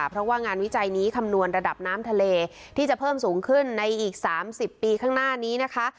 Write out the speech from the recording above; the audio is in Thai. เพราะว่างานวิจัยนี้คำนวณระดับน้ำทะเลที่จะเพิ่มสูงขึ้นในอีก๓๐ปีข้างหน้านี้นะคะ